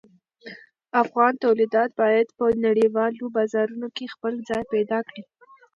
افغان تولیدات باید په نړیوالو بازارونو کې خپل ځای پیدا کړي.